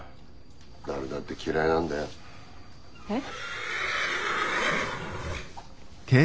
誰だって嫌いなんだよ。えっ？